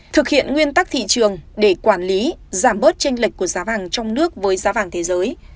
thực hiện nguyên tắc thị trường để quản lý giảm bớt tranh lệch của giá vàng trong nước với giá vàng thế giới